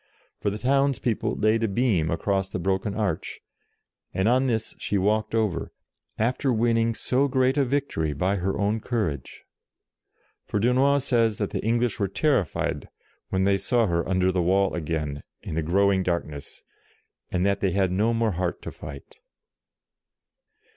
For the town's people laid a beam across the broken arch, and on this she walked over, after winning so great a victory by her own courage. For Dunois says that the English were terrified when they saw her under the wall again, in the growing darkness, and that they had no more heart to fight.